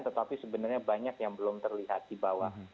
tetapi sebenarnya banyak yang belum terlihat di bawah